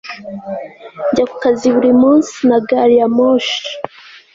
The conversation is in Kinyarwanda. njya ku kazi buri munsi na gari ya moshi